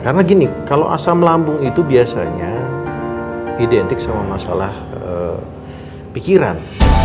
karena gini kalau asam lambung itu biasanya identik sama masalah pikiran